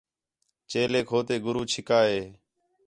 چیلیک ہو تے گُرو چِھکا ہِے